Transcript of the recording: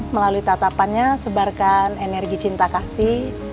melalui tatapannya sebarkan energi cinta kasih